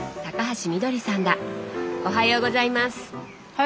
おはようございます。